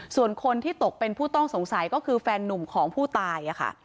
ส่วนคนที่ตกเป็นผู้ต้องสงสัยก็คือแฟนนุ่มของผู้ตายค่ะ